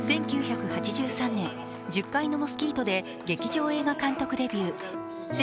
１９８３年、「十階のモスキート」で劇場映画監督デビュー。